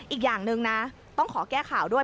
อีกอย่างหนึ่งนะต้องขอแก้ข่าวด้วย